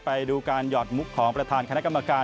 ไปดูการหยอดมุกของประธานคณะกรรมการ